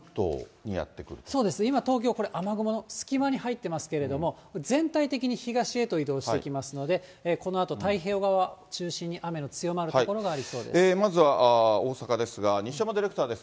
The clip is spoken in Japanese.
そうですね、今、東京、これ、雨雲の隙間に入っていますけれど、全体的に東へと移動してきますので、このあと太平洋側中心に、まずは大阪ですが、西山ディレクターです。